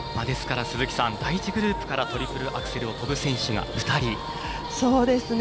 ですから、第１グループからトリプルアクセルを跳ぶ選手が２人。